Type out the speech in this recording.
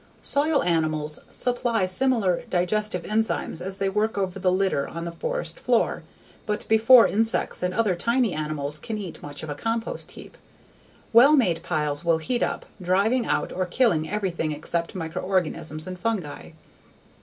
Soil animals supply similar digestive enzymes as they work over the litter on the forest floor but before insects and other tiny animals can eat much of a compost heap, well made piles will heat up, driving out or killing everything except microorganisms and fungi.